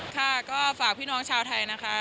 ค่ะก็ฝากพี่น้องชาวไทยนะคะ